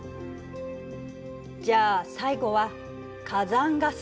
じゃあ最後は火山ガス。